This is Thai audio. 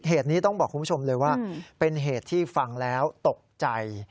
เหตุนี้ต้องบอกคุณผู้ชมเลยว่าเป็นเหตุที่ฟังแล้วตกใจ